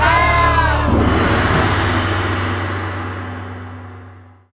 โปรดติดตามตอนต่อไป